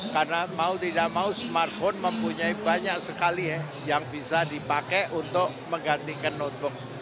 karena mau tidak mau smartphone mempunyai banyak sekali yang bisa dipakai untuk menggantikan notebook